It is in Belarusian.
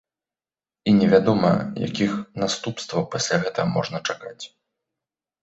І невядома, якіх наступстваў пасля гэтага можна чакаць.